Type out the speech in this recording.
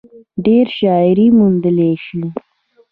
ډېره شاعري موندلے شي ۔